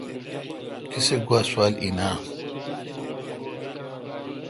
کسی گوا سوال این اؘ۔